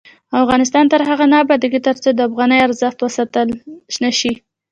افغانستان تر هغو نه ابادیږي، ترڅو د افغانۍ ارزښت وساتل نشي.